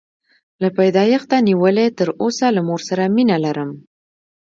له پیدایښته نیولې تر اوسه له مور سره مینه لرم.